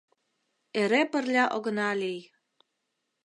Эре пырля огына лий.